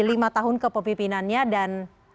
lima tahun kepemimpinannya dan